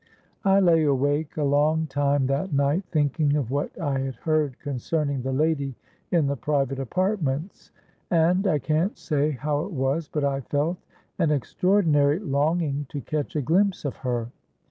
"I lay awake a long time that night thinking of what I had heard concerning the lady in the private apartments; and, I can't say how it was—but I felt an extraordinary longing to catch a glimpse of her.